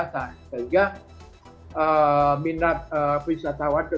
sehingga minat pesawat ke singapura itu